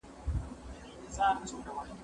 زه اجازه لرم چي درسونه لوستل کړم!!